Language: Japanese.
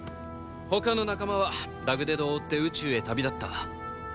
他の仲間はダグデドを追って宇宙へ旅立った。